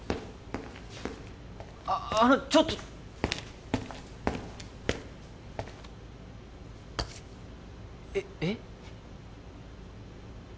あっあのちょっとえっえっ？